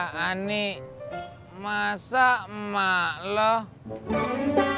ngasih puisi niontek lirik lagu udeh pernah